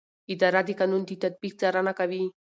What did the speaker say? اداره د قانون د تطبیق څارنه کوي.